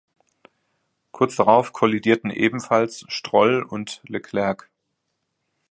Kurz darauf kollidierten ebenfalls Stroll und Leclerc.